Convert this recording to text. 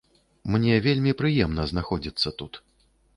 Мне вельмі прыемна знаходзіцца тут.